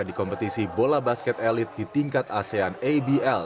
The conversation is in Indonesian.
di kompetisi bola basket elit di tingkat asean abl